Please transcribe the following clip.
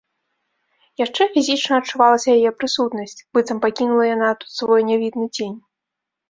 Яшчэ фізічна адчувалася яе прысутнасць, быццам пакінула яна тут свой нявідны цень.